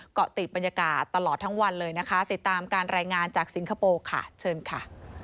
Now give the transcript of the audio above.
เกาะติดบรรยากาศตลอดทั้งวันเลยนะคะติดตามการรายงานจากสิงคโปร์ค่ะเชิญค่ะ